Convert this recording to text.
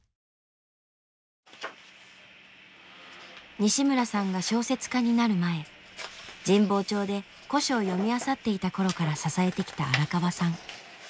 西村さんが小説家になる前神保町で古書を読みあさっていた頃から支えてきた荒川さん。